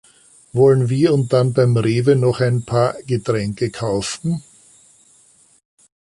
Wollen wir und dann beim Rewe noch ein paar Getränke kaufen?